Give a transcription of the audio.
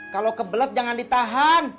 kalau ke pelet jangan ditahan